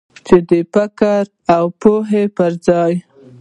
چې د فکر او پوهې پر ځای.